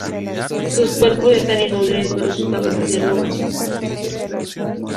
Sus cuerpos están inmóviles pero sus cabezas dialogan.